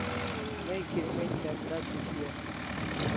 May kirmec' ganda thi shian